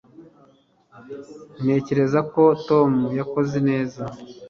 ntekereza ko tom yakoze neza